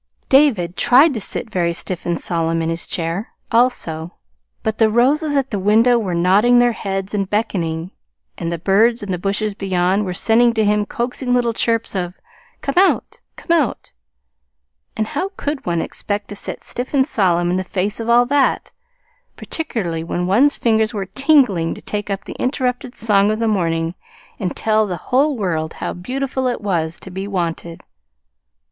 David tried to sit very stiff and solemn in his chair, also; but the roses at the window were nodding their heads and beckoning; and the birds in the bushes beyond were sending to him coaxing little chirps of "Come out, come out!" And how could one expect to sit stiff and solemn in the face of all that, particularly when one's fingers were tingling to take up the interrupted song of the morning and tell the whole world how beautiful it was to be wanted!